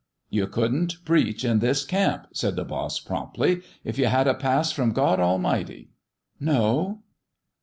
" You couldn't preach in this camp," said the boss, promptly, "if you had a pass from God Almighty." "No?"